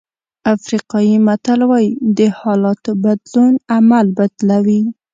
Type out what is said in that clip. افریقایي متل وایي د حالاتو بدلون عمل بدلوي.